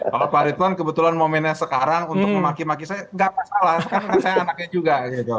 kalau pak retuan kebetulan momennya sekarang untuk memaki maki saya nggak masalah sekarang kan saya anaknya juga